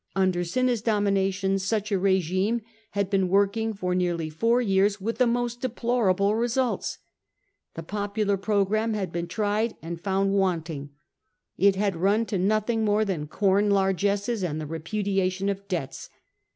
Under Cinna's domina tion such a regime had been working for nearly four years with the most deplorable results — the popular programme had been tried and found wanting — it had run to nothing more than corn largesses and the repudiation of debts.